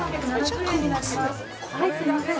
はいすみません。